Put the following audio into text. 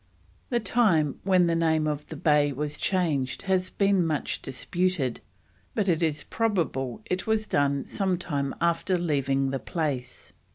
The time when the name of the Bay was changed has been much disputed, but it is probable it was done some time after leaving the place.